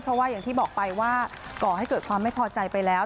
เพราะว่าอย่างที่บอกไปว่าก่อให้เกิดความไม่พอใจไปแล้ว